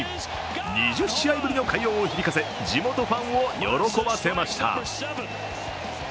２０試合ぶりの快音を響かせ地元ファンを喜ばせました。